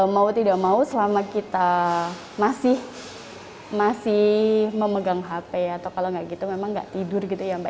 mau tidak mau selama kita masih memegang hp atau kalau tidak gitu memang tidak tidur